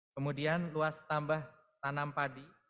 kemudian luas tambah tanam padi